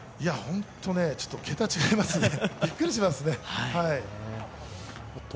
本当ちょっと桁が違いますね、びっくりしますね。